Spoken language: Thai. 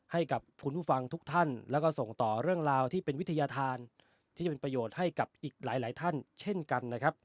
ให้กับคุณผู้ฟังทุกท่านแล้วก็ส่งต่อเรื่องราวที่เป็นวิทยาธารที่จะเป็นประโยชน์ให้กับอีกหลายท่านเช่นกันนะครับ